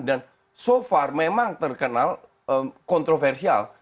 dan so far memang terkenal kontroversial